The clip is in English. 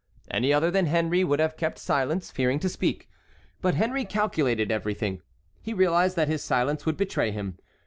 Any other than Henry would have kept silence, fearing to speak, but Henry calculated everything. He realized that his silence would betray him.